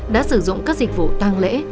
đã sử dụng các dịch vụ tăng lễ